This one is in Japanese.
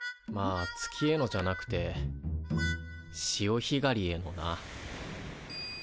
まあ月へのじゃなくて潮ひがりへのな。